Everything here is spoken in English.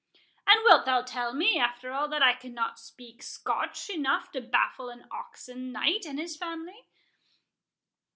and wilt thou tell me, after all, that I cannot speak Scotch enough to baffle an Oxon Knight and his family?"